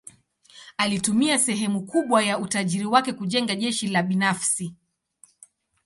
Alitumia sehemu kubwa ya utajiri wake kujenga jeshi la binafsi.